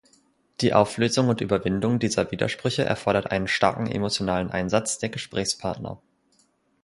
Die Auflösung und Überwindung dieser Widersprüche erfordert einen starken emotionalen Einsatz der Gesprächspartner.